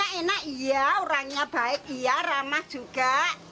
enak iya orangnya baik iya ramah juga